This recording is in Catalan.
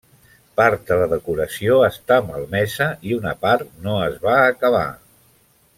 Part de la decoració està malmesa i una part no es va acabar.